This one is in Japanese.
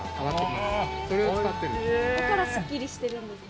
◆だからすっきりしてるんですね。